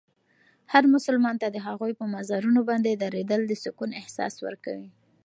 هر مسلمان ته د هغوی په مزارونو باندې درېدل د سکون احساس ورکوي.